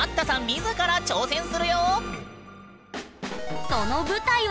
自ら挑戦するよ！